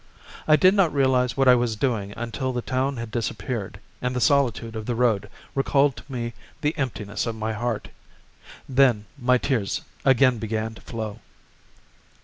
I did not realize what I was doing until the town had disappeared and the solitude of the road recalled to me the emptiness of my heart. Then my tears again began to flow.